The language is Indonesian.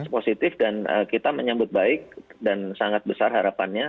positif dan kita menyambut baik dan sangat besar harapannya